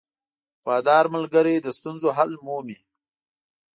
• وفادار ملګری د ستونزو حل مومي.